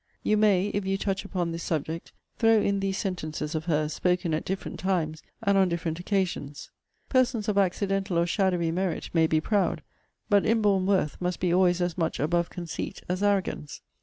You may, if you touch upon this subject, throw in these sentences of her's, spoken at different times, and on different occasions: 'Persons of accidental or shadowy merit may be proud: but inborn worth must be always as much above conceit as arrogance.'